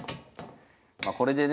まこれでね